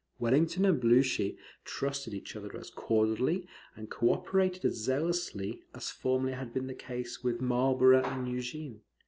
Wellington and Blucher trusted each other as cordially, and co operated as zealously, as formerly had been the case with Marlborough and Eugene.